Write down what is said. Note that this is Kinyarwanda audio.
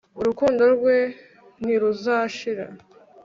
urukundo rwe ntiruzashira